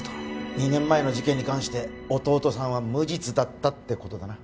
２年前の事件に関して弟さんは無実だったってことだな